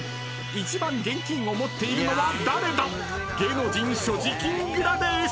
［一番現金を持っているのは誰だ？］